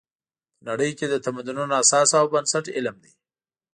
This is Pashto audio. په نړۍ کې د تمدنونو اساس او بنسټ علم دی.